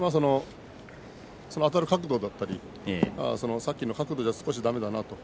あたる角度だったり足の角度では少しだめだな